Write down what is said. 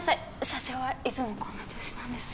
社長はいつもこんな調子なんです。